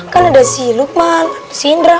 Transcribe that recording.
kan ada si lukman si indra